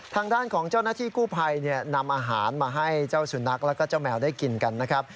ทางด้านของเจ้านาธิกู้ไพรเนียะนำอาหารมาให้เจ้าสุนัขและเจ้าแมวได้กินกันนะครับ